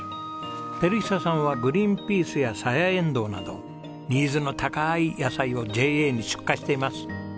照久さんはグリーンピースやサヤエンドウなどニーズの高い野菜をＪＡに出荷しています。